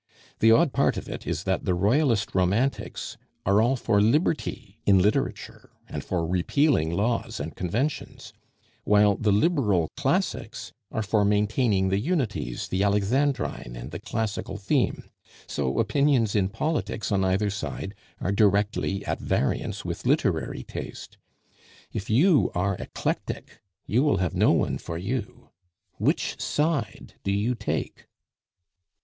The odd part of it is that the Royalist Romantics are all for liberty in literature, and for repealing laws and conventions; while the Liberal Classics are for maintaining the unities, the Alexandrine, and the classical theme. So opinions in politics on either side are directly at variance with literary taste. If you are eclectic, you will have no one for you. Which side do you take?"